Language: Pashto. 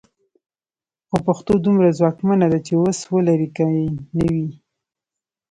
خو پښتو دومره ځواکمنه ده چې وس ولري که یې نه وي.